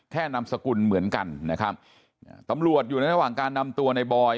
นามสกุลเหมือนกันนะครับตำรวจอยู่ในระหว่างการนำตัวในบอย